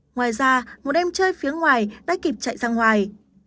ngoài ra một em chơi phía ngoài đã kịp chạy ra ngoài